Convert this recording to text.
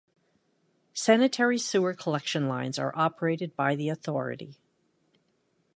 Sanitary sewer collection lines are operated by the Authority.